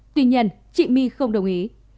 tuy nhiên chị my không đồng ý